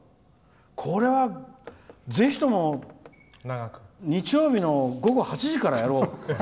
これは、ぜひとも日曜日の午後８時からやろう。